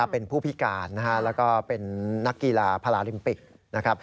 เป็นผู้พิการและก็เป็นนักกีฬาพาราลิมปิก